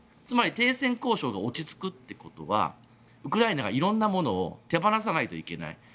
つまり、停戦交渉が落ち着くっていうことはウクライナが色んなものを手放さないといけない。